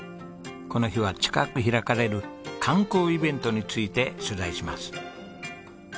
この日は近く開かれる観光イベントについて取材します。